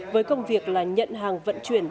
với công việc là nhận hàng vận chuyển